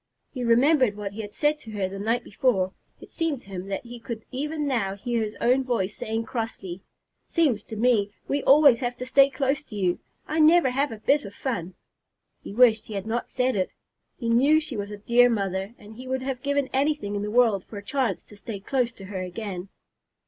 He remembered what he had said to her the night before. It seemed to him that he could even now hear his own voice saying crossly, "Seems to me we always have to stay close to you. I never have a bit of fun!" He wished he had not said it. He knew she was a dear mother, and he would have given anything in the world for a chance to stay close to her again.